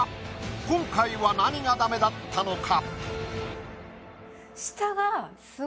今回は何がダメだったのか？